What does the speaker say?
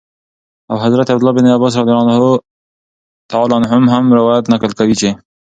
او حضرت عبدالله بن عباس رضي الله تعالى عنهم نه روايت نقل كوي چې :